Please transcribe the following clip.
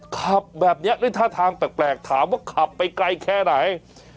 ขับแบบนี้ด้วยท่าทางแปลกถามว่าขับไปไกลแค่ไหน